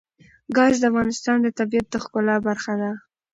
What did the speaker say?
ګاز د افغانستان د طبیعت د ښکلا برخه ده.